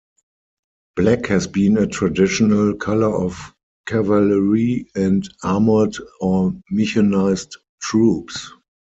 Black has been a traditional color of cavalry and armoured or mechanized troops.